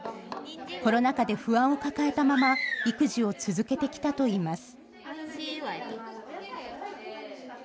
コロナ禍で不安を抱えたまま、育児を続けてきたといいます。